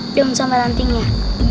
daun sama rantingnya